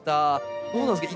どうなんですか？